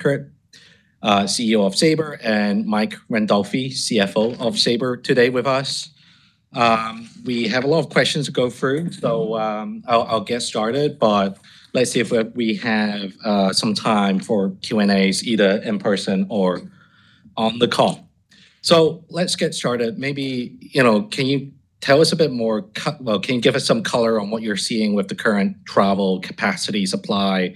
Kurt, CEO of Sabre, and Mike Randolfi, CFO of Sabre, today with us. We have a lot of questions to go through, so I'll get started, but let's see if we have some time for Q&As, either in person or on the call. Let's get started. Can you give us some color on what you're seeing with the current travel capacity, supply,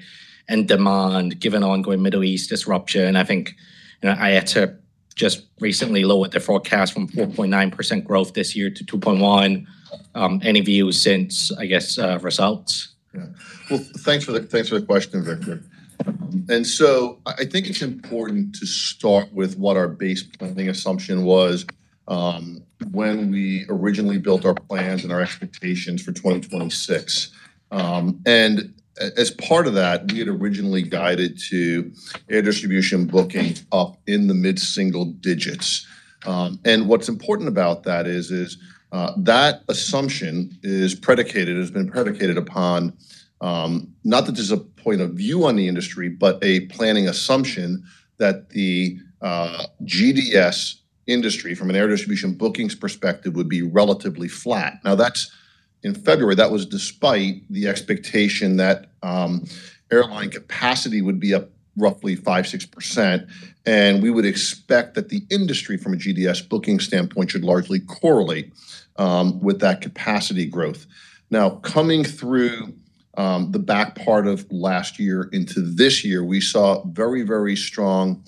and demand, given the ongoing Middle East disruption? I think IATA just recently lowered their forecast from 4.9% growth this year to 2.1%. Any views since results? Yeah. Well, thanks for the question, Victor. I think it's important to start with what our base planning assumption was when we originally built our plans and our expectations for 2026. As part of that, we had originally guided to air distribution bookings up in the mid-single digits. What's important about that is that assumption has been predicated upon, not that there's a point of view on the industry, but a planning assumption that the GDS industry, from an air distribution bookings perspective, would be relatively flat. Now, in February, that was despite the expectation that airline capacity would be up roughly 5%-6%, and we would expect that the industry, from a GDS booking standpoint, should largely correlate with that capacity growth. Now, coming through the back part of last year into this year, we saw very strong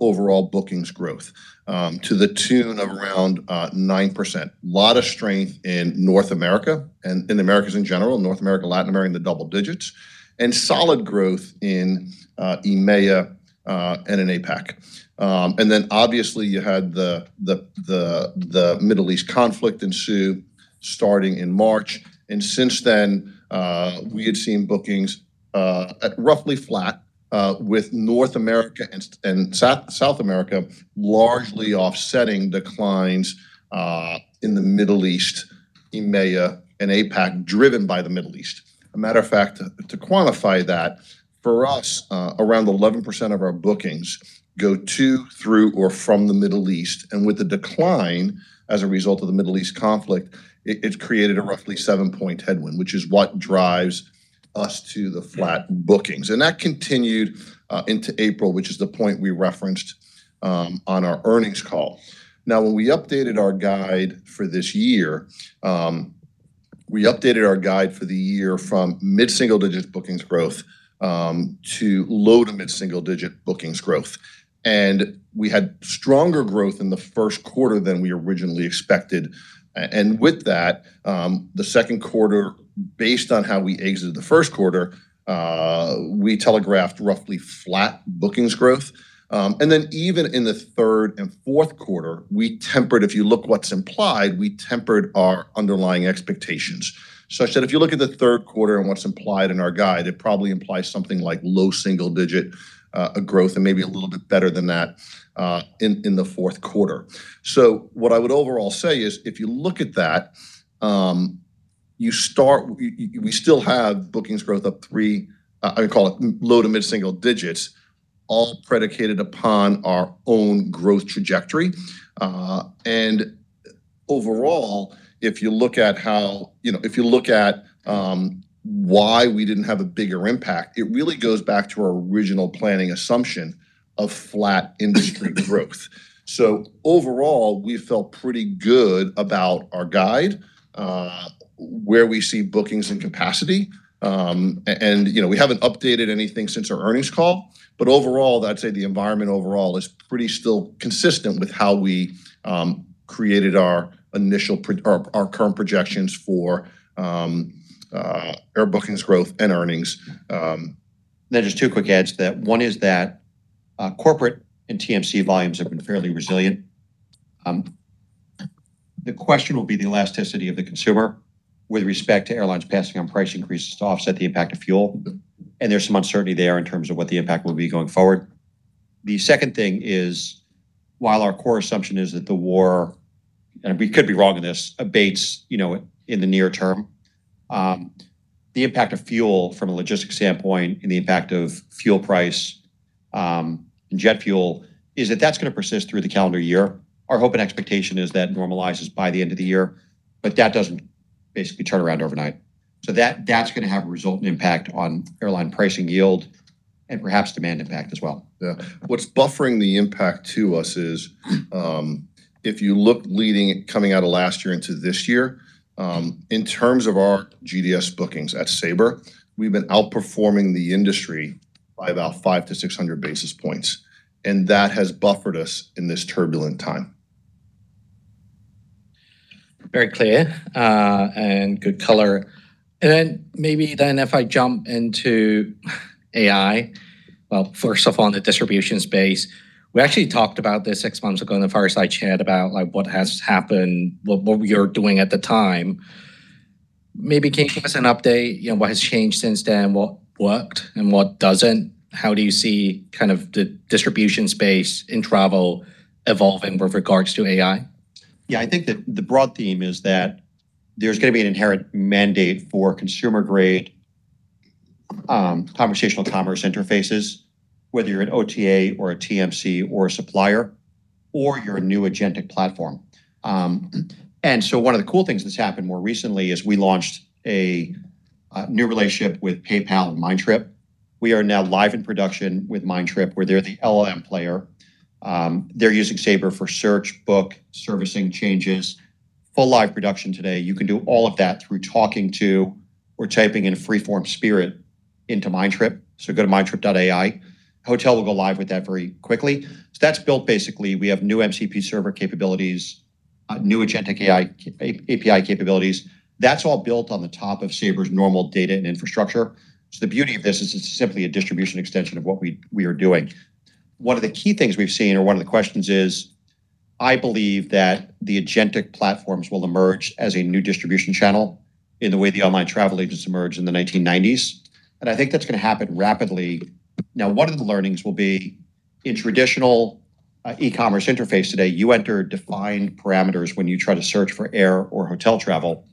overall bookings growth to the tune of around 9%. A lot of strength in North America and in the Americas in general, North America, Latin America in the double digits, and solid growth in EMEA and in APAC. Obviously you had the Middle East conflict ensue starting in March, and since then, we had seen bookings at roughly flat with North America and South America largely offsetting declines in the Middle East, EMEA, and APAC, driven by the Middle East. A matter of fact, to quantify that, for us, around 11% of our bookings go to, through, or from the Middle East. With the decline as a result of the Middle East conflict, it's created a roughly seven-point headwind, which is what drives us to the flat bookings. That continued into April, which is the point we referenced on our earnings call. Now, when we updated our guide for this year, we updated our guide for the year from mid-single-digit bookings growth, to low- to mid-single-digit bookings growth. We had stronger growth in the first quarter than we originally expected. With that, the second quarter, based on how we exited the first quarter, we telegraphed roughly flat bookings growth. Even in the third and fourth quarter, if you look what's implied, we tempered our underlying expectations. Such that if you look at the third quarter and what's implied in our guide, it probably implies something like low single digit growth and maybe a little bit better than that in the fourth quarter. What I would overall say is, if you look at that, we still have bookings growth up three, I would call it low to mid single digits, all predicated upon our own growth trajectory. Overall, if you look at why we didn't have a bigger impact, it really goes back to our original planning assumption of flat industry growth. Overall, we felt pretty good about our guide, where we see bookings and capacity. We haven't updated anything since our earnings call. Overall, I'd say the environment overall is pretty still consistent with how we created our current projections for air bookings growth and earnings. Just two quick adds to that. One is that corporate and TMC volumes have been fairly resilient. The question will be the elasticity of the consumer with respect to airlines passing on price increases to offset the impact of fuel, and there's some uncertainty there in terms of what the impact will be going forward. The second thing is, while our core assumption is that the war, and we could be wrong on this, abates in the near term, the impact of fuel from a logistics standpoint and the impact of fuel price and jet fuel, is that that's going to persist through the calendar year. Our hope and expectation is that normalizes by the end of the year, but that doesn't basically turn around overnight. That's going to have a resultant impact on airline pricing yield and perhaps demand impact as well. Yeah. What's buffering the impact to us is, if you look leading coming out of last year into this year, in terms of our GDS bookings at Sabre, we've been outperforming the industry by about 500-600 basis points, and that has buffered us in this turbulent time. Very clear, good color. Maybe then if I jump into AI. First off, on the distribution space, we actually talked about this six months ago in the Fireside Chat about what has happened, what we are doing at the time. Maybe can you give us an update, what has changed since then? What worked and what doesn't? How do you see the distribution space in travel evolving with regards to AI? Yeah. I think that the broad theme is that there's going to be an inherent mandate for consumer-grade conversational commerce interfaces, whether you're an OTA or a TMC or a supplier, or you're a new agentic platform. One of the cool things that's happened more recently is we launched a new relationship with PayPal and Mindtrip. We are now live in production with Mindtrip, where they're the LLM player. They're using Sabre for search, book, servicing changes, full live production today. You can do all of that through talking to or typing in freeform spirit into mindtrip.ai. Hotel will go live with that very quickly. That's built basically, we have new MCP server capabilities, new agentic API capabilities. That's all built on the top of Sabre's normal data and infrastructure. The beauty of this is it's simply a distribution extension of what we are doing. One of the key things we've seen or one of the questions is, I believe that the agentic platforms will emerge as a new distribution channel in the way the online travel agents emerged in the 1990s, and I think that's going to happen rapidly. Now, one of the learnings will be in traditional e-commerce interface today, you enter defined parameters when you try to search for air or hotel travel.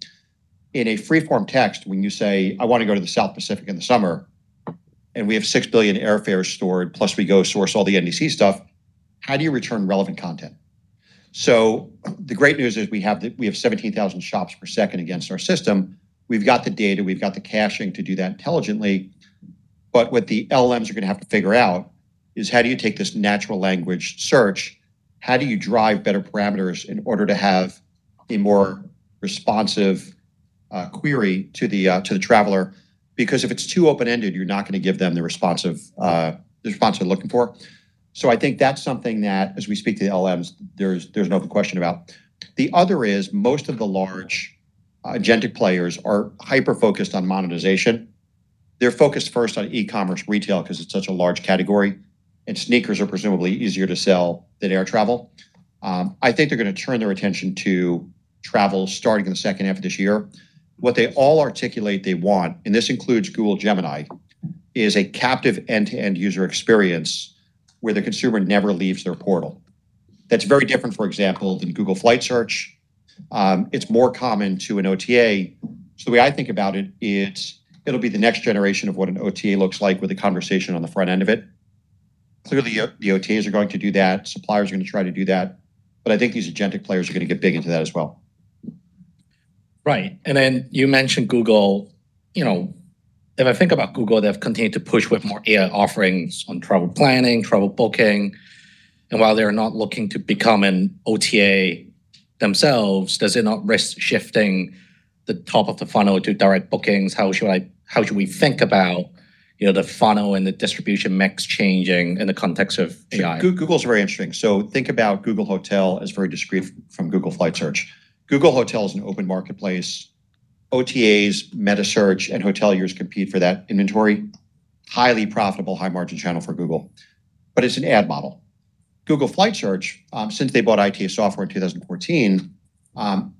In a free-form text, when you say, "I want to go to the South Pacific in the summer," and we have 6 billion airfares stored, plus we go source all the NDC stuff, how do you return relevant content? The great news is we have 17,000 shops per second against our system. We've got the data, we've got the caching to do that intelligently. What the LLMs are going to have to figure out is how do you take this natural language search? How do you drive better parameters in order to have a more responsive query to the traveler? Because if it's too open-ended, you're not going to give them the response they're looking for. I think that's something that, as we speak to the LLMs, there's no question about. The other is most of the large agentic players are hyper-focused on monetization. They're focused first on e-commerce retail because it's such a large category, and sneakers are presumably easier to sell than air travel. I think they're going to turn their attention to travel starting in the second half of this year. What they all articulate they want, and this includes Google Gemini, is a captive end-to-end user experience where the consumer never leaves their portal. That's very different, for example, than Google Flight Search. It's more common to an OTA. The way I think about it'll be the next generation of what an OTA looks like with a conversation on the front end of it. Clearly, the OTAs are going to do that. Suppliers are going to try to do that. I think these agentic players are going to get big into that as well. Right. Then you mentioned Google. If I think about Google, they've continued to push with more AI offerings on travel planning, travel booking. While they're not looking to become an OTA themselves, does it not risk shifting the top of the funnel to direct bookings? How should we think about the funnel and the distribution mix changing in the context of AI? Google's very interesting. Think about Google Hotel as very discrete from Google Flight Search. Google Hotel is an open marketplace. OTAs, metasearch, and hoteliers compete for that inventory. Highly profitable, high-margin channel for Google, but it's an ad model. Google Flight Search, since they bought ITA Software in 2014,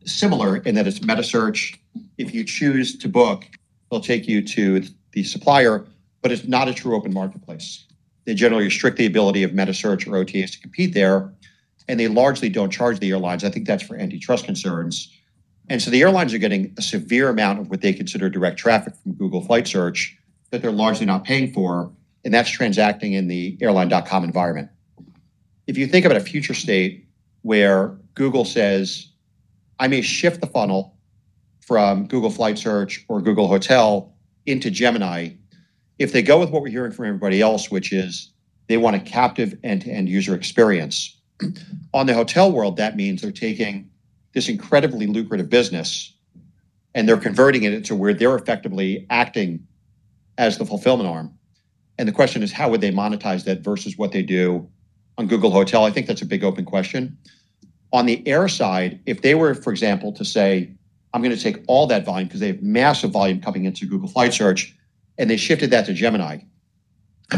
similar in that it's metasearch. If you choose to book, it'll take you to the supplier, but it's not a true open marketplace. They generally restrict the ability of metasearch or OTAs to compete there, and they largely don't charge the airlines. I think that's for antitrust concerns. The airlines are getting a severe amount of what they consider direct traffic from Google Flight Search that they're largely not paying for, and that's transacting in the airline.com environment. If you think of it a future state where Google says, "I may shift the funnel from Google Flight Search or Google Hotel into Gemini." If they go with what we're hearing from everybody else, which is they want a captive end-to-end user experience. On the hotel world, that means they're taking this incredibly lucrative business and they're converting it into where they're effectively acting as the fulfillment arm. The question is, how would they monetize that versus what they do on Google Hotel? I think that's a big open question. On the air side, if they were, for example, to say, "I'm going to take all that volume," because they have massive volume coming into Google Flights, and they shifted that to Gemini,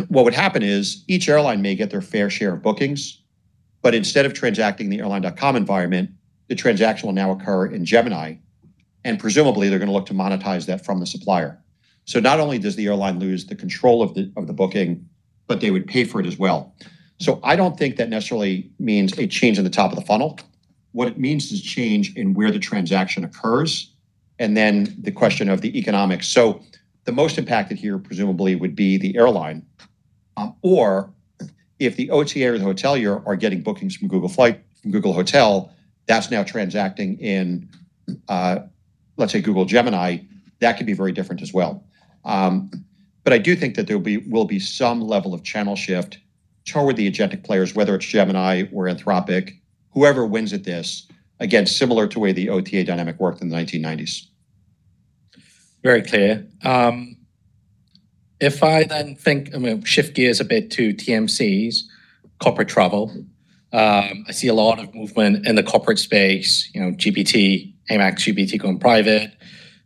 what would happen is each airline may get their fair share of bookings, but instead of transacting the airline.com environment, the transaction will now occur in Gemini, and presumably, they're going to look to monetize that from the supplier. Not only does the airline lose the control of the booking, but they would pay for it as well. I don't think that necessarily means a change in the top of the funnel. What it means is a change in where the transaction occurs, and then the question of the economics. The most impacted here, presumably, would be the airline. Or if the OTA or the hotelier are getting bookings from Google Hotels, that's now transacting in, let's say Google Gemini, that could be very different as well. I do think that there will be some level of channel shift toward the agentic players, whether it's Gemini or Anthropic, whoever wins at this, again, similar to the way the OTA dynamic worked in the 1990s. Very clear. I'm going to shift gears a bit to TMCs, corporate travel. I see a lot of movement in the corporate space, GBT, Amex GBT going private,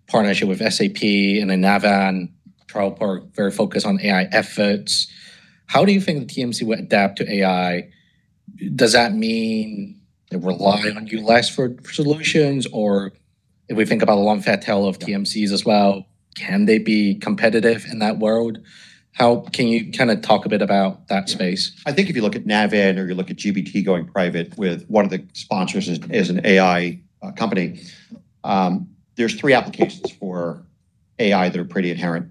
partnership with SAP and then Navan, Travelport, very focused on AI efforts. How do you think the TMC will adapt to AI? Does that mean they rely on you less for solutions? If we think about the long fat tail of TMCs as well, can they be competitive in that world? Can you talk a bit about that space? I think if you look at Navan or you look at GBT going private with one of the sponsors as an AI company, there's three applications for AI that are pretty inherent.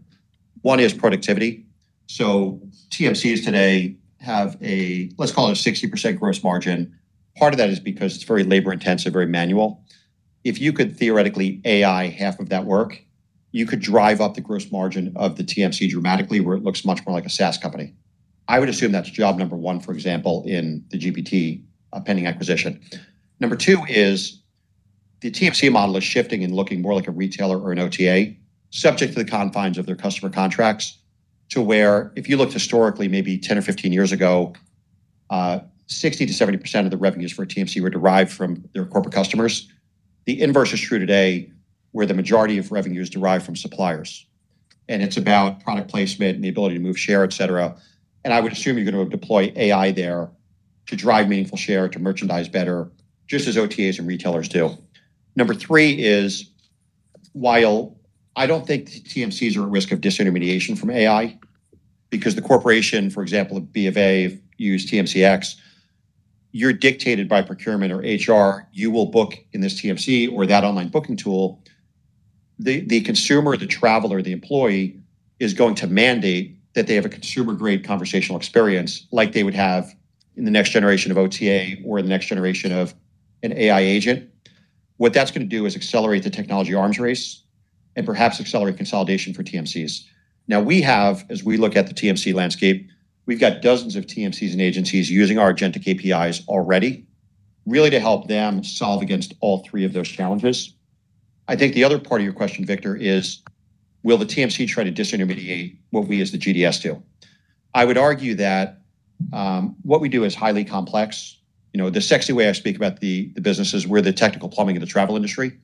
One is productivity. TMCs today have a, let's call it a 60% gross margin. Part of that is because it's very labor-intensive, very manual. If you could theoretically AI half of that work, you could drive up the gross margin of the TMC dramatically, where it looks much more like a SaaS company. I would assume that's job number one, for example, in the GBT pending acquisition. Number two is the TMC model is shifting and looking more like a retailer or an OTA, subject to the confines of their customer contracts to where if you looked historically, maybe 10 or 15 years ago, 60%-70% of the revenues for a TMC were derived from their corporate customers. The inverse is true today, where the majority of revenue is derived from suppliers, and it's about product placement and the ability to move share, et cetera. I would assume you're going to deploy AI there to drive meaningful share, to merchandise better, just as OTAs and retailers do. Number three is, while I don't think TMCs are at risk of disintermediation from AI because the corporation, for example, BofA use TMCs, you're dictated by procurement or HR. You will book in this TMC or that online booking tool. The consumer, the traveler, the employee is going to mandate that they have a consumer-grade conversational experience like they would have in the next generation of OTA or the next generation of an AI agent. What that's going to do is accelerate the technology arms race and perhaps accelerate consolidation for TMCs. Now we have, as we look at the TMC landscape, we've got dozens of TMCs and agencies using our agentic APIs already, really to help them solve against all three of those challenges. I think the other part of your question, Victor, is will the TMC try to disintermediate what we as the GDS do? I would argue that what we do is highly complex. The sexy way I speak about the business is we're the technical plumbing of the travel industry.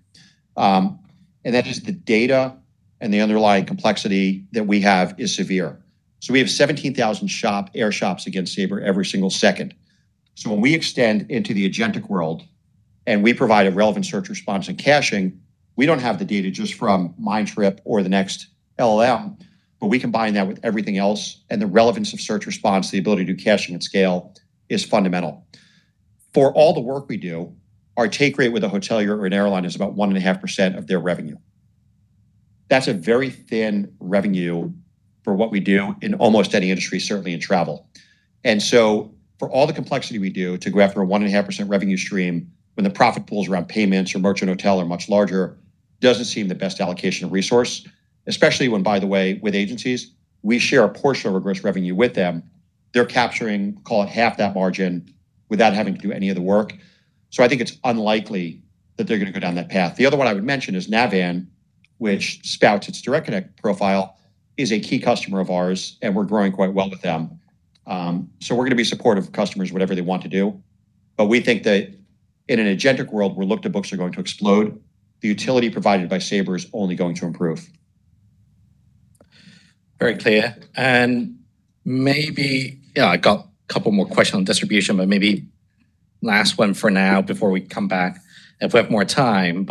That is the data and the underlying complexity that we have is severe. We have 17,000 airshops against Sabre every single second. When we extend into the agentic world and we provide a relevant search response and caching, we don't have the data just from Mindtrip or the next LLM, but we combine that with everything else, and the relevance of search response, the ability to do caching and scale is fundamental. For all the work we do, our take rate with a hotelier or an airline is about 1.5% of their revenue. That's a very thin revenue for what we do in almost any industry, certainly in travel. For all the complexity we do to go after a 1.5% revenue stream when the profit pools around payments or merchant model are much larger, doesn't seem the best allocation of resource, especially when, by the way, with agencies, we share a portion of our gross revenue with them. They're capturing, call it, half that margin without having to do any of the work. I think it's unlikely that they're going to go down that path. The other one I would mention is Navan, which spouts its direct connect profile, is a key customer of ours, and we're growing quite well with them. We're going to be supportive of customers, whatever they want to do. We think that in an agentic world where look-to-books are going to explode, the utility provided by Sabre is only going to improve. Very clear. Maybe, yeah, I got a couple more questions on distribution, maybe last one for now before we come back if we have more time.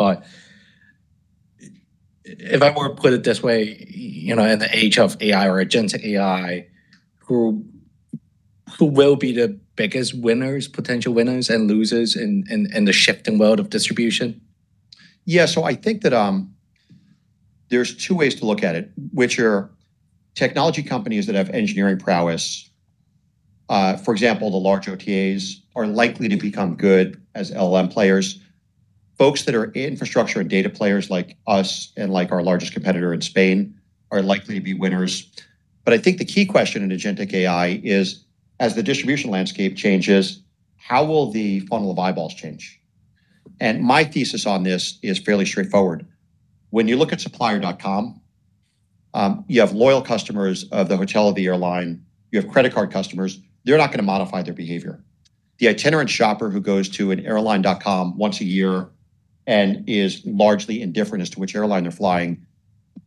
If I were to put it this way, in the age of AI or agentic AI, who will be the biggest winners, potential winners, and losers in the shifting world of distribution? Yeah. I think that there's two ways to look at it, which are technology companies that have engineering prowess. For example, the large OTAs are likely to become good as LLM players. Folks that are infrastructure and data players like us and like our largest competitor in Spain are likely to be winners. I think the key question in agentic AI is, as the distribution landscape changes, how will the funnel of eyeballs change? My thesis on this is fairly straightforward. When you look at supplier.com, you have loyal customers of the hotel or the airline. You have credit card customers. They're not going to modify their behavior. The itinerant shopper who goes to an airline.com once a year and is largely indifferent as to which airline they're flying,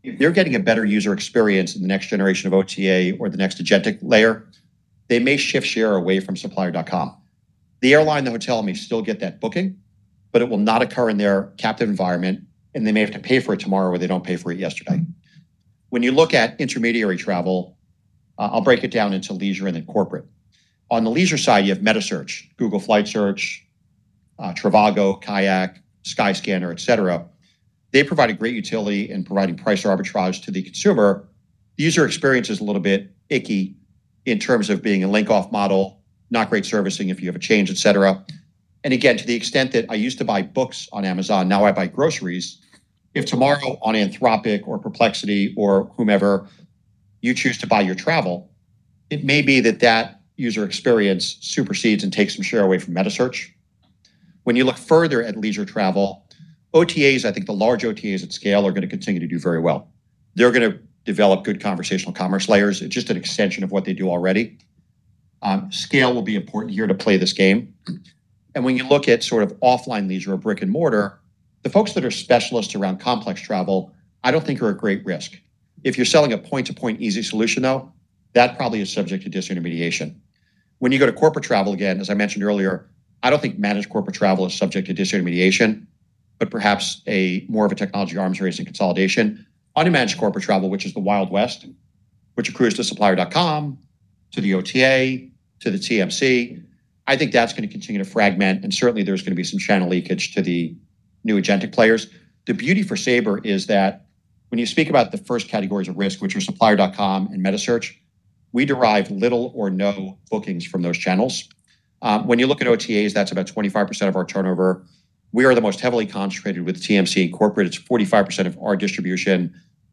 if they're getting a better user experience in the next generation of OTA or the next agentic layer, they may shift share away from supplier.com. The airline, the hotel may still get that booking, but it will not occur in their captive environment, and they may have to pay for it tomorrow where they don't pay for it yesterday. When you look at intermediary travel, I'll break it down into leisure and then corporate. On the leisure side, you have metasearch, Google Flights, trivago, KAYAK, Skyscanner, et cetera. They provide a great utility in providing price arbitrage to the consumer. The user experience is a little bit icky in terms of being a link off model, not great servicing if you have a change, et cetera. Again, to the extent that I used to buy books on Amazon, now I buy groceries. If tomorrow on Anthropic or Perplexity or whomever you choose to buy your travel, it may be that that user experience supersedes and takes some share away from metasearch. When you look further at leisure travel, OTAs, I think the large OTAs at scale are going to continue to do very well. They're going to develop good conversational commerce layers. It's just an extension of what they do already. Scale will be important here to play this game. When you look at sort of offline leisure or brick-and-mortar, the folks that are specialists around complex travel, I don't think are at great risk. If you're selling a point-to-point easy solution, though, that probably is subject to disintermediation. When you go to corporate travel, again, as I mentioned earlier, I don't think managed corporate travel is subject to disintermediation, but perhaps more of a technology arms race and consolidation. Unmanaged corporate travel, which is the Wild West, which accrues to supplier.com, to the OTA, to the TMC. I think that's going to continue to fragment and certainly there's going to be some channel leakage to the new agentic players. The beauty for Sabre is that when you speak about the first categories of risk, which are supplier.com and metasearch, we derive little or no bookings from those channels. When you look at OTAs, that's about 25% of our turnover. We are the most heavily concentrated with TMCs, it's 45% of our distribution.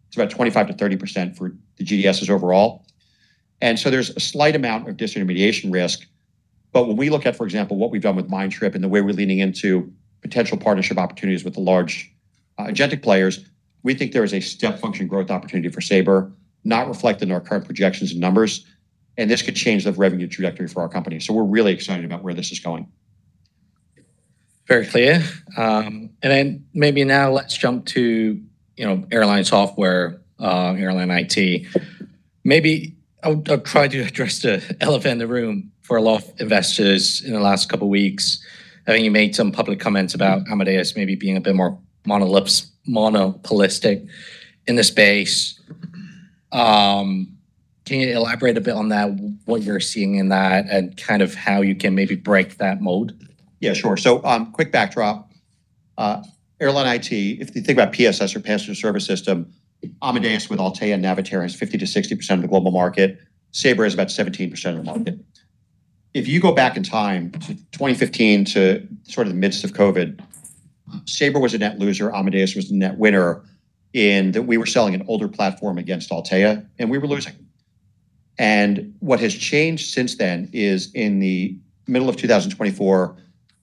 It's about 25%-30% for the GDSs overall. There's a slight amount of disintermediation risk, but when we look at, for example, what we've done with Mindtrip and the way we're leaning into potential partnership opportunities with the large agentic players, we think there is a step function growth opportunity for Sabre not reflected in our current projections and numbers, and this could change the revenue trajectory for our company. We're really excited about where this is going. Very clear. Maybe now let's jump to airline software, airline IT. Maybe I'll try to address the elephant in the room for a lot of investors in the last couple of weeks. I think you made some public comments about Amadeus maybe being a bit more monopolistic in this space. Can you elaborate a bit on that, what you're seeing in that, and how you can maybe break that mold? Yeah, sure. Quick backdrop. Airline IT, if you think about PSS or Passenger Service System, Amadeus with Altéa and Navitaire has 50%-60% of the global market. Sabre has about 17% of the market. If you go back in time to 2015 to the midst of COVID, Sabre was a net loser, Amadeus was the net winner in that we were selling an older platform against Altéa, and we were losing. What has changed since then is in the middle of 2024,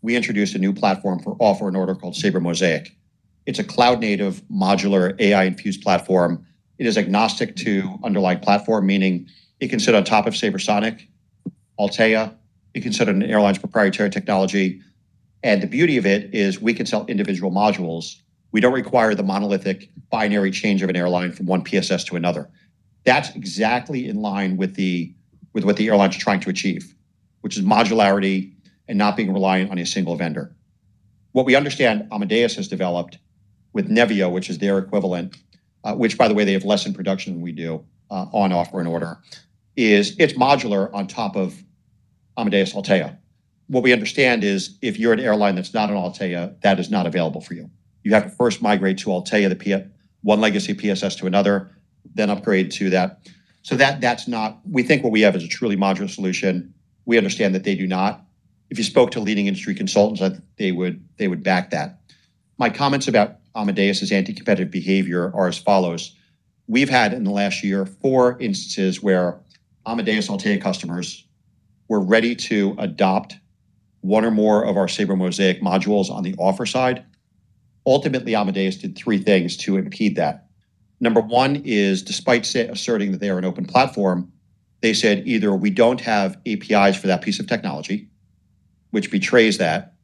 we introduced a new platform for offer and order called Sabre Mosaic. It's a cloud-native modular AI-infused platform. It is agnostic to underlying platform, meaning it can sit on top of SabreSonic, Altéa, it can sit on an airline's proprietary technology. The beauty of it is we can sell individual modules. We don't require the monolithic binary change of an airline from one PSS to another. That's exactly in line with what the airline's trying to achieve, which is modularity and not being reliant on a single vendor. What we understand Amadeus has developed with Nevio, which is their equivalent, which by the way, they have less in production than we do, on offer and order, is it's modular on top of Amadeus Altéa. What we understand is if you're an airline that's not on Altéa, that is not available for you. You have to first migrate to Altéa, one legacy PSS to another, then upgrade to that. We think what we have is a truly modular solution. We understand that they do not. If you spoke to leading industry consultants, they would back that. My comments about Amadeus's anti-competitive behavior are as follows. We've had in the last year four instances where Amadeus Altéa customers were ready to adopt one or more of our Sabre Mosaic modules on the Offer side. Ultimately, Amadeus did three things to impede that. Number one is, despite asserting that they are an open platform, they said either we don't have APIs for that piece of technology, which betrays that,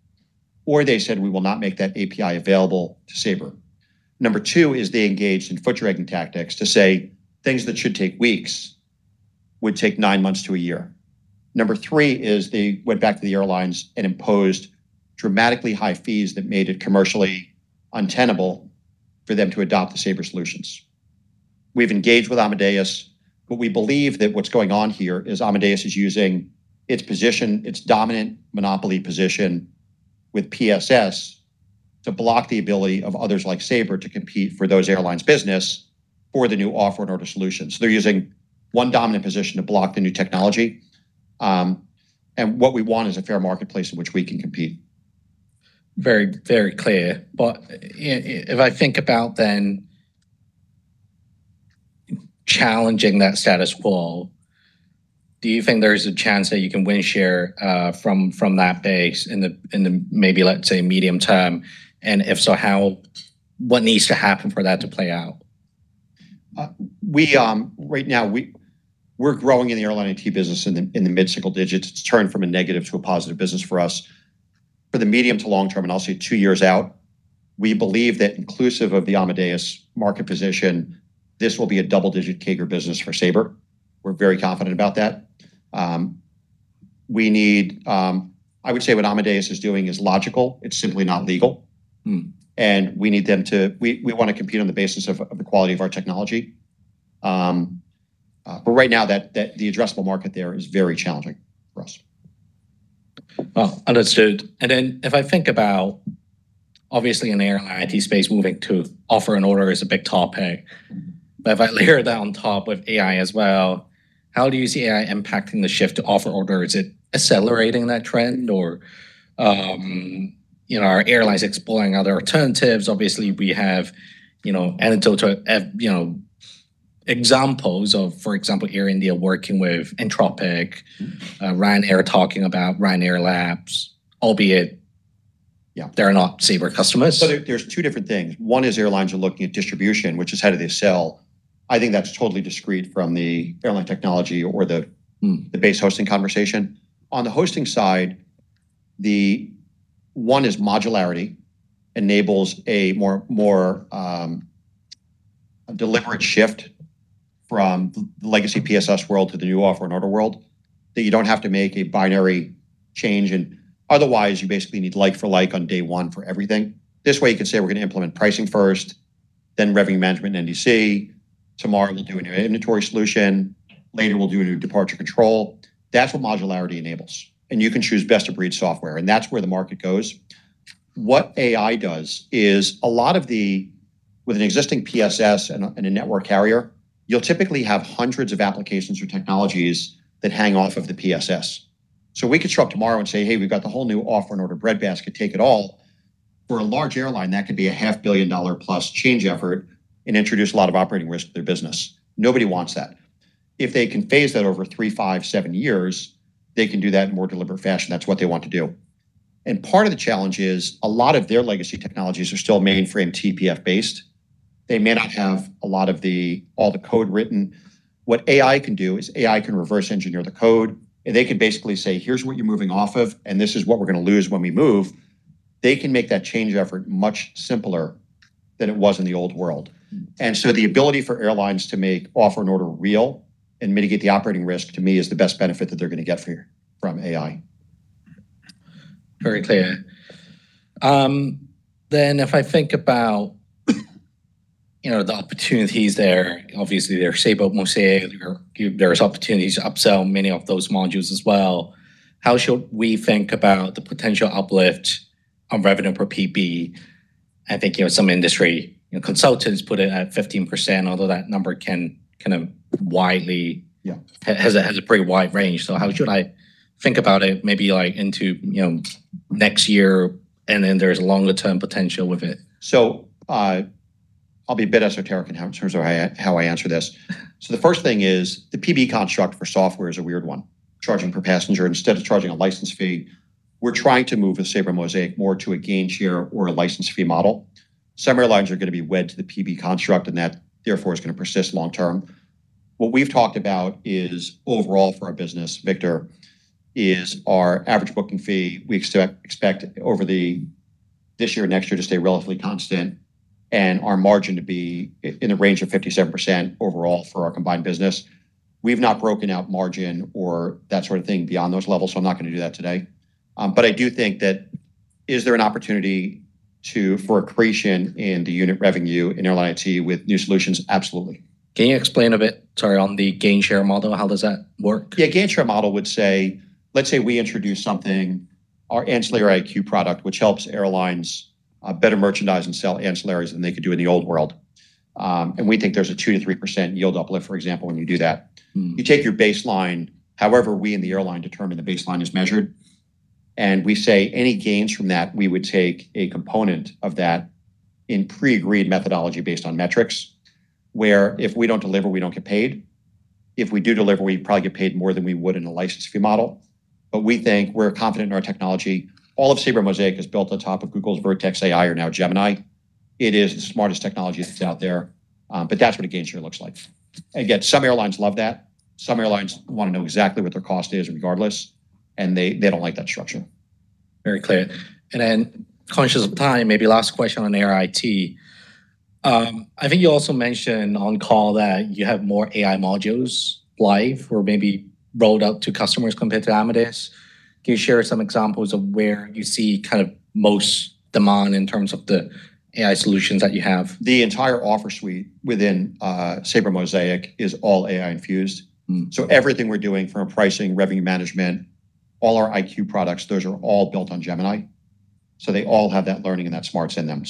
or they said we will not make that API available to Sabre. Number two is they engaged in foot-dragging tactics to say things that should take weeks would take nine months to one year. Number three is they went back to the airlines and imposed dramatically high fees that made it commercially untenable for them to adopt the Sabre solutions. We've engaged with Amadeus, we believe that what's going on here is Amadeus is using its position, its dominant monopoly position with PSS to block the ability of others like Sabre to compete for those airlines business for the new offer and order solutions. They're using one dominant position to block the new technology. What we want is a fair marketplace in which we can compete. Very clear. If I think about then challenging that status quo, do you think there's a chance that you can win share from that base in the maybe, let's say, medium term? If so, what needs to happen for that to play out? Right now we're growing in the airline IT business in the mid-single digits. It's turned from a negative to a positive business for us. For the medium to long term, I'll say two years out, we believe that inclusive of the Amadeus market position, this will be a double-digit CAGR business for Sabre. We're very confident about that. I would say what Amadeus is doing is logical, it's simply not legal. We want to compete on the basis of the quality of our technology. Right now, the addressable market there is very challenging for us. Well understood. If I think about, obviously in the airline IT space, moving to offer and order is a big topic, but if I layer that on top with AI as well, how do you see AI impacting the shift to offer and order? Is it accelerating that trend or are airlines exploring other alternatives? Obviously, we have examples of, for example, Air India working with Anthropic, Ryanair talking about Ryanair Labs, albeit they're not Sabre customers. There's two different things. One is airlines are looking at distribution, which is how do they sell. I think that's totally discrete from the airline technology or the base hosting conversation. On the hosting side, one is modularity enables a more deliberate shift from the legacy PSS world to the new offer and order world that you don't have to make a binary change and otherwise you basically need like for like on day one for everything. This way you can say we're going to implement pricing first, then revenue management and DCS. Tomorrow we'll do a new inventory solution. Later we'll do a new departure control. That's what modularity enables, and you can choose best-of-breed software, that's where the market goes. What AI does is With an existing PSS and a network carrier, you'll typically have hundreds of applications or technologies that hang off of the PSS. We could show up tomorrow and say, "Hey, we've got the whole new offer and order breadbasket, take it all." For a large airline, that could be a $500 million+ change effort and introduce a lot of operating risk to their business. Nobody wants that. If they can phase that over three, five, seven years, they can do that in more deliberate fashion. That's what they want to do. Part of the challenge is a lot of their legacy technologies are still mainframe TPF based. They may not have all the code written. What AI can do is AI can reverse engineer the code, They can basically say, here's what you're moving off of, This is what we're going to lose when we move. They can make that change effort much simpler than it was in the old world. The ability for airlines to make offer and order real and mitigate the operating risk to me is the best benefit that they're going to get from AI. Very clear. If I think about the opportunities there, obviously there's Sabre Mosaic. There's opportunities to upsell many of those modules as well. How should we think about the potential uplift of revenue per PB? I think some industry consultants put it at 15%, although that number can widely- Yeah has a pretty wide range. How should I think about it maybe into next year and then there's longer term potential with it? I'll be a bit esoteric in terms of how I answer this. The first thing is the PB construct for software is a weird one. Charging per passenger instead of charging a license fee. We're trying to move with Sabre Mosaic more to a gain share or a license fee model. Some airlines are going to be wed to the PB construct, and that therefore is going to persist long term. What we've talked about is overall for our business, Victor, is our average booking fee we expect over this year, next year to stay relatively constant and our margin to be in the range of 57% overall for our combined business. We've not broken out margin or that sort of thing beyond those levels, I'm not going to do that today. I do think that is there an opportunity for accretion in the unit revenue in Airline IT with new solutions? Absolutely. Can you explain a bit, sorry, on the gain share model, how does that work? Yeah. Gain share model would say, let's say we introduce something, our Ancillary IQ product which helps airlines better merchandise and sell ancillaries than they could do in the old world. We think there's a 2%-3% yield uplift, for example, when you do that. You take your baseline, however we in the airline determine the baseline is measured. We say any gains from that, we would take a component of that in pre-agreed methodology based on metrics, where if we don't deliver, we don't get paid. If we do deliver, we probably get paid more than we would in a license fee model. We think we're confident in our technology. All of Sabre Mosaic is built on top of Google's Vertex AI or now Gemini. It is the smartest technology that's out there. That's what a gain share looks like. Again, some airlines love that. Some airlines want to know exactly what their cost is regardless, and they don't like that structure. Very clear. Then conscious of time, maybe last question on Air IT. I think you also mentioned on call that you have more AI modules live or maybe rolled out to customers compared to Amadeus. Can you share some examples of where you see most demand in terms of the AI solutions that you have? The entire offer suite within Sabre Mosaic is all AI infused. Everything we're doing from pricing, revenue management, all our IQ products, those are all built on Gemini, they all have that learning and that smarts in them.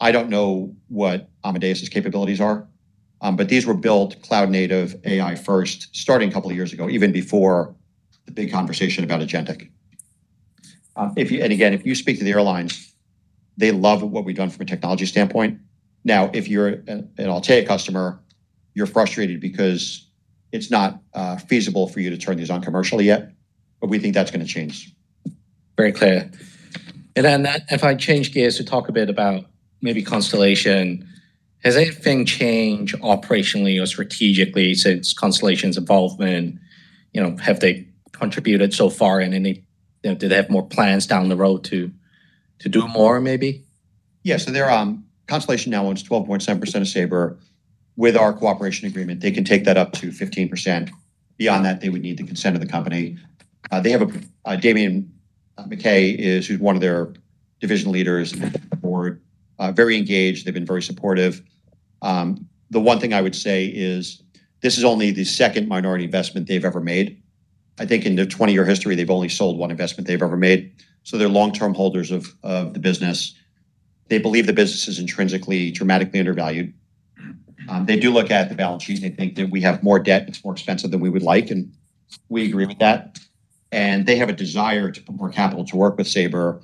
I don't know what Amadeus's capabilities are, but these were built cloud-native AI-first starting a couple of years ago, even before the big conversation about agentic. Again, if you speak to the airlines, they love what we've done from a technology standpoint. Now, if you're an Altéa customer, you're frustrated because it's not feasible for you to turn these on commercially yet, but we think that's going to change. Very clear. If I change gears to talk a bit about maybe Constellation, has anything changed operationally or strategically since Constellation's involvement? Have they contributed so far and do they have more plans down the road to do more maybe? Constellation now owns 12.7% of Sabre. With our cooperation agreement, they can take that up to 15%. Beyond that, they would need the consent of the company. Damian McKay is who's one of their division leaders on board, very engaged. They've been very supportive. The one thing I would say is this is only the second minority investment they've ever made. I think in their 20-year history, they've only sold one investment they've ever made. They're long-term holders of the business. They believe the business is intrinsically, dramatically undervalued. They do look at the balance sheet and they think that we have more debt and it's more expensive than we would like, and we agree with that. They have a desire to put more capital to work with Sabre.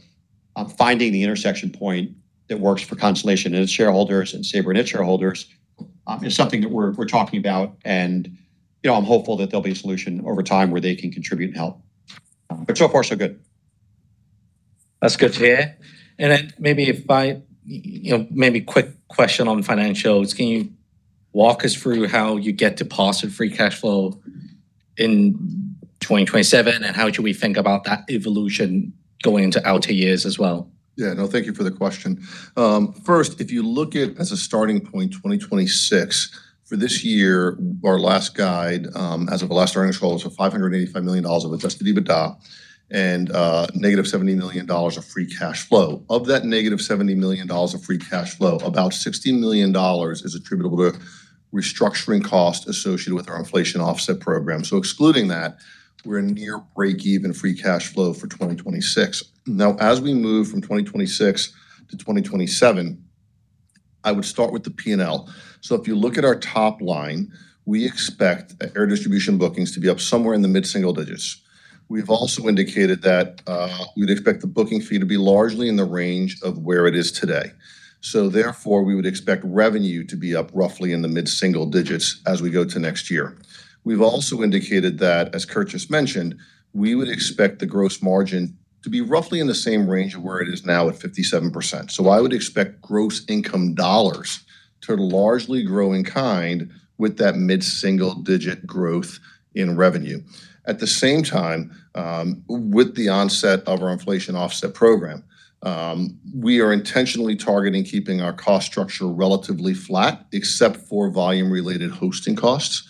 Finding the intersection point that works for Constellation and its shareholders and Sabre and its shareholders, is something that we're talking about and I'm hopeful that there'll be a solution over time where they can contribute and help. So far so good. That's good to hear. Maybe quick question on financials. Can you walk us through how you get to positive free cash flow in 2027 and how should we think about that evolution going into outer years as well? Thank you for the question. First, if you look at as a starting point, 2026. For this year, our last guide, as of our last earnings call was for $585 million of adjusted EBITDA and negative $70 million of free cash flow. Of that negative $70 million of free cash flow, about $60 million is attributable to restructuring costs associated with our inflation offset program. Excluding that, we're near break even free cash flow for 2026. As we move from 2026 to 2027, I would start with the P&L. If you look at our top line, we expect air distribution bookings to be up somewhere in the mid-single digits. We've also indicated that we'd expect the booking fee to be largely in the range of where it is today. Therefore, we would expect revenue to be up roughly in the mid-single digits as we go to next year. We've also indicated that, as Kurt just mentioned, we would expect the gross margin to be roughly in the same range of where it is now at 57%. I would expect gross income dollars to largely grow in kind with that mid-single-digit growth in revenue. At the same time, with the onset of our inflation offset program, we are intentionally targeting keeping our cost structure relatively flat, except for volume-related hosting costs.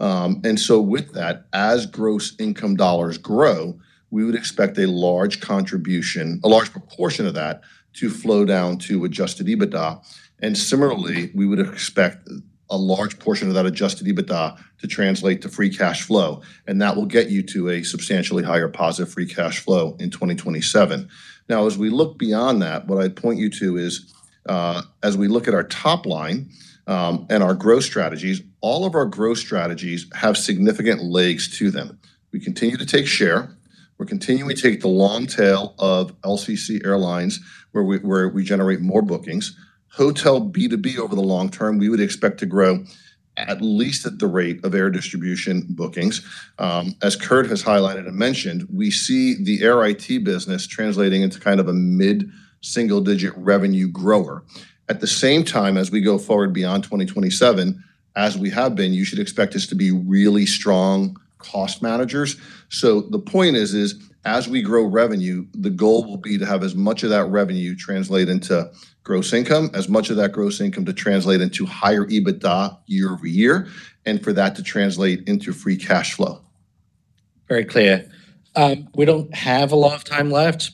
With that, as gross income dollars grow, we would expect a large proportion of that to flow down to adjusted EBITDA. Similarly, we would expect a large portion of that adjusted EBITDA to translate to free cash flow, and that will get you to a substantially higher positive free cash flow in 2027. As we look beyond that, what I'd point you to is, as we look at our top line, and our growth strategies, all of our growth strategies have significant legs to them. We continue to take share. We're continuing to take the long tail of LCC Airlines, where we generate more bookings. Hotel B2B over the long term, we would expect to grow at least at the rate of air distribution bookings. As Kurt has highlighted and mentioned, we see the air IT business translating into a mid-single-digit revenue grower. At the same time, as we go forward beyond 2027, as we have been, you should expect us to be really strong cost managers. The point is, as we grow revenue, the goal will be to have as much of that revenue translate into gross income, as much of that gross income to translate into higher EBITDA year-over-year, and for that to translate into free cash flow. Very clear. We don't have a lot of time left,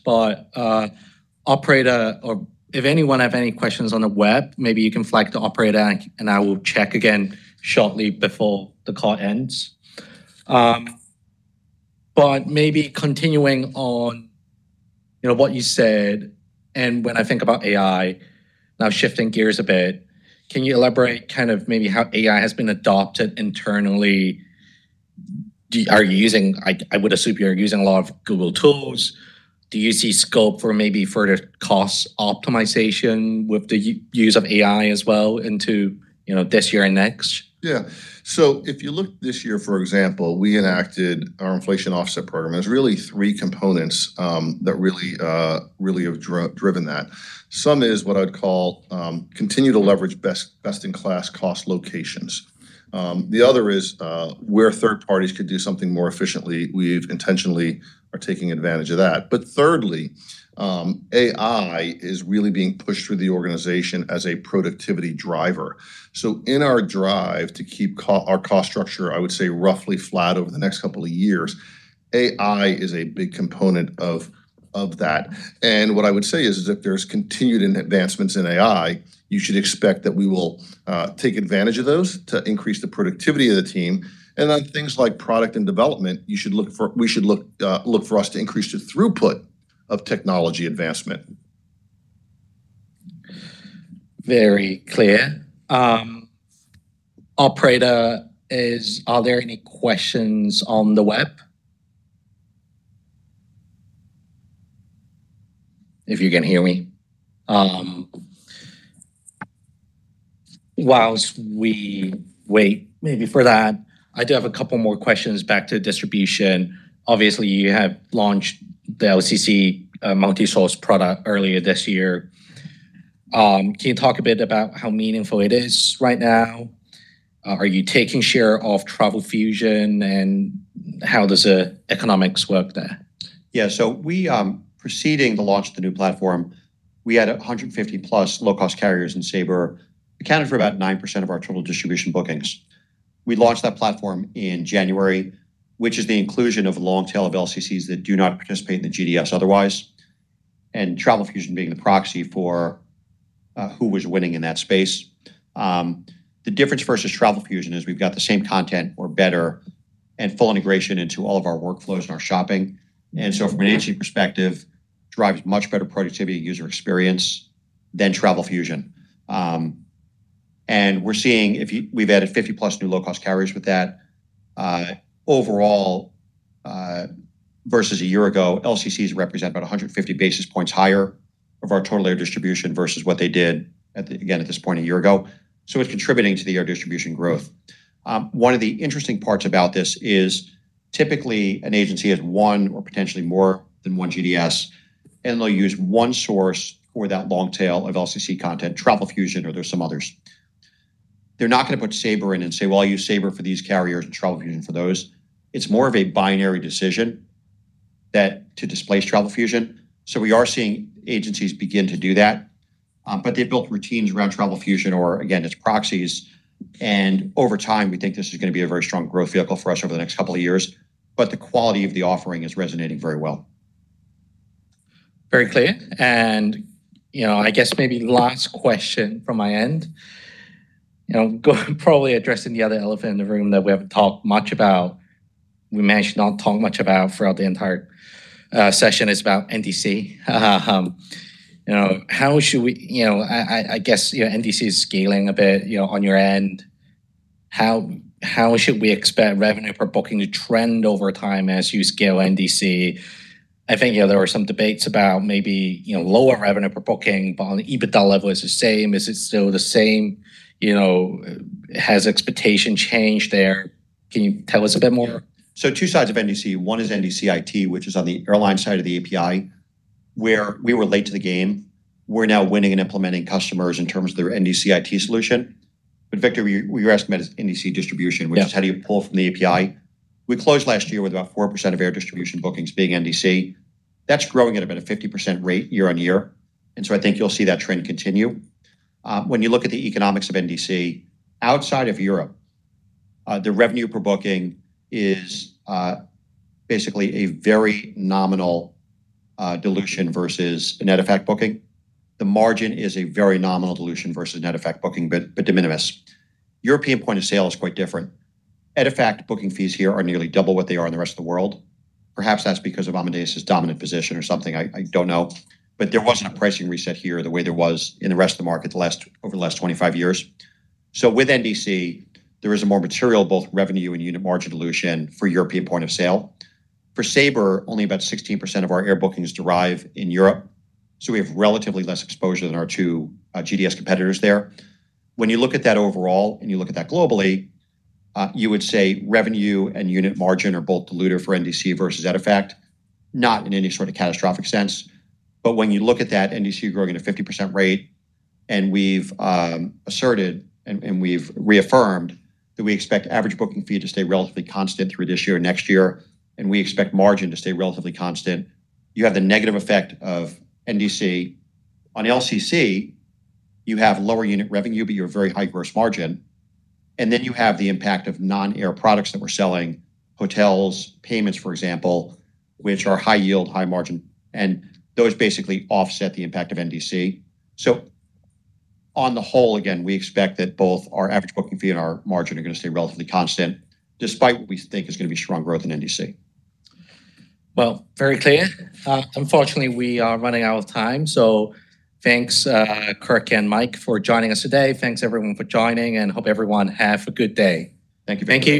operator, or if anyone have any questions on the web, maybe you can flag the operator, and I will check again shortly before the call ends. Maybe continuing on what you said, when I think about AI, now shifting gears a bit, can you elaborate maybe how AI has been adopted internally? I would assume you're using a lot of Google tools. Do you see scope for maybe further cost optimization with the use of AI as well into this year and next? Yeah. If you look this year, for example, we enacted our inflation offset program. There's really three components that really have driven that. Some is what I'd call continue to leverage best in class cost locations. The other is, where third parties could do something more efficiently, we intentionally are taking advantage of that. Thirdly, AI is really being pushed through the organization as a productivity driver. In our drive to keep our cost structure, I would say, roughly flat over the next couple of years, AI is a big component of that. What I would say is if there's continued advancements in AI, you should expect that we will take advantage of those to increase the productivity of the team. On things like product and development, we should look for us to increase the throughput of technology advancement. Very clear. Operator, are there any questions on the web? If you can hear me. While we wait maybe for that, I do have a couple more questions back to distribution. Obviously, you have launched the LCC multi-source product earlier this year. Can you talk a bit about how meaningful it is right now? Are you taking share of Travelfusion, and how does the economics work there? Preceding the launch of the new platform, we had 150+ low-cost carriers in Sabre, accounted for about 9% of our total distribution bookings. We launched that platform in January, which is the inclusion of a long tail of LCCs that do not participate in the GDS otherwise, and Travelfusion being the proxy for who was winning in that space. The difference versus Travelfusion is we've got the same content or better and full integration into all of our workflows and our shopping. From an agency perspective, it drives much better productivity and user experience than Travelfusion. We're seeing we've added 50+ new low-cost carriers with that. Overall, versus a year ago, LCCs represent about 150 basis points higher of our total air distribution versus what they did, again, at this point a year ago. It's contributing to the air distribution growth. One of the interesting parts about this is typically an agency has one or potentially more than one GDS, and they'll use one source for that long tail of LCC content, Travelfusion, or there's some others. They're not going to put Sabre in and say, "Well, I'll use Sabre for these carriers and Travelfusion for those." It's more of a binary decision to displace Travelfusion. We are seeing agencies begin to do that, but they've built routines around Travelfusion or again, its proxies. Over time, we think this is going to be a very strong growth vehicle for us over the next couple of years, but the quality of the offering is resonating very well. Very clear. I guess maybe last question from my end, probably addressing the other elephant in the room that we haven't talked much about, we managed not talk much about throughout the entire session is about NDC. I guess your NDC is scaling a bit on your end, how should we expect revenue per booking to trend over time as you scale NDC? I think there were some debates about maybe lower revenue per booking, but on the EBITDA level is the same. Is it still the same? Has expectation changed there? Can you tell us a bit more? Two sides of NDC. One is NDC IT, which is on the airline side of the API, where we were late to the game. We're now winning and implementing customers in terms of their NDC IT solution. Victor, where you're asking about is NDC distribution. Yeah which is how do you pull from the API? We closed last year with about 4% of air distribution bookings being NDC. That's growing at about a 50% rate year on year. I think you'll see that trend continue. When you look at the economics of NDC, outside of Europe, the revenue per booking is basically a very nominal dilution versus a net-effect booking. The margin is a very nominal dilution versus net-effect booking, but de minimis. European point of sale is quite different. At effect, booking fees here are nearly double what they are in the rest of the world. Perhaps that's because of Amadeus' dominant position or something, I don't know. There wasn't a pricing reset here the way there was in the rest of the market over the last 25 years. With NDC, there is a more material, both revenue and unit margin dilution for European point of sale. For Sabre, only about 16% of our air bookings derive in Europe, so we have relatively less exposure than our two GDS competitors there. When you look at that overall, you look at that globally, you would say revenue and unit margin are both diluted for NDC versus at effect, not in any sort of catastrophic sense. When you look at that NDC growing at a 50% rate, and we've asserted and we've reaffirmed that we expect average booking fee to stay relatively constant through this year or next year, and we expect margin to stay relatively constant, you have the negative effect of NDC. On LCC, you have lower unit revenue, you have very high gross margin. You have the impact of non-air products that we're selling, hotels, payments, for example, which are high yield, high margin. Those basically offset the impact of NDC. On the whole, again, we expect that both our average booking fee and our margin are going to stay relatively constant, despite what we think is going to be strong growth in NDC. Very clear. Unfortunately, we are running out of time. Thanks, Kurt and Mike, for joining us today. Thanks everyone for joining. Hope everyone have a good day. Thank you. Thank you.